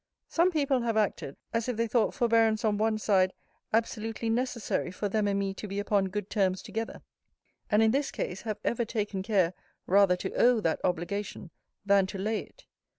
Some people have acted, as if they thought forbearance on one side absolutely necessary for them and me to be upon good terms together; and in this case have ever taken care rather to owe that obligation than to lay it.